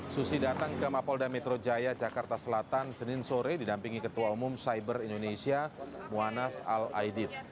susi datang ke mapolda metro jaya jakarta selatan senin sore didampingi ketua umum cyber indonesia muanas ⁇ al aidid